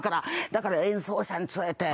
だから演奏者に伝えて。